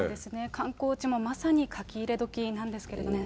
観光地もまさに書き入れ時なんですけれどもね。